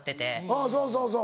うんそうそうそう。